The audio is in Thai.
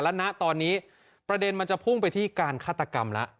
และณตอนนี้ประเด็นมันจะพุ่งไปที่การฆาตกรรมแล้ว